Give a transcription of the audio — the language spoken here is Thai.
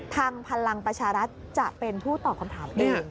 พลังประชารัฐจะเป็นผู้ตอบคำถามนี้